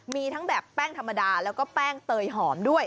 มีทั้งแบบแป้งธรรมดาแล้วก็แป้งเตยหอมด้วย